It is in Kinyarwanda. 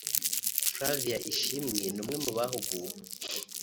Flavia Ishimwe ni umwe mu bahuguwe